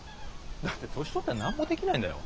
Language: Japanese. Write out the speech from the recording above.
だって年取ったら何もできないんだよ。